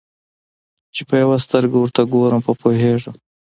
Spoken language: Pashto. چي په سترګو ورته ګورم په پوهېږم